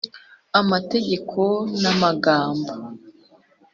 Amategeko n amagambo